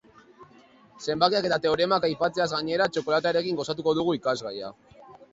Zenbakiak eta teoremak aipatzeaz gainera, txokolatearekin gozatuko dugu ikasgaia.